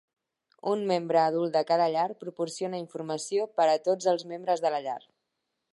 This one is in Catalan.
Un membre adult de cada llar proporciona informació per a tots els membres de la llar.